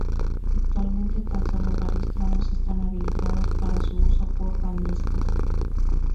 Actualmente tan solo varios tramos están habilitados para su uso por bañistas.